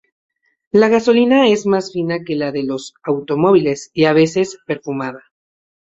La gasolina es más fina que la de los automóviles y a veces perfumada.